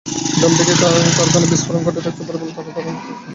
Drum থেকে কারখানায় বিস্ফোরণ ঘটে থাকতে পারে বলে তাঁরা ধারণা করছেন।